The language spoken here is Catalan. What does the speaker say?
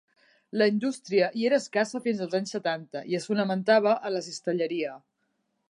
La indústria hi era escassa fins als anys setanta i es fonamentava en la cistelleria.